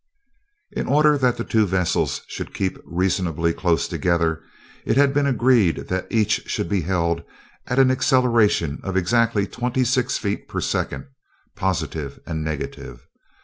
In order that the two vessels should keep reasonably close together, it had been agreed that each should be held at an acceleration of exactly twenty six feet per second, positive and negative.